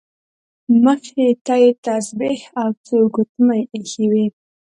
مخې ته یې تسبیح او څو ګوتمۍ ایښې وې.